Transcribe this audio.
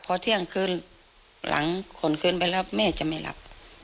พอเที่ยงคืนหลังขนคืนไปแล้วแม่จะไม่รับ